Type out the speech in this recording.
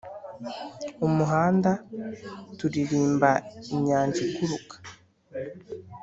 umuhanda turirimba inyanja iguruka